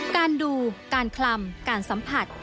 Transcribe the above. การดูการคลำการสัมผัส